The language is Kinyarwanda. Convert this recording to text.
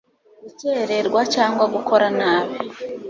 gukererwa cyangwa gukora nabi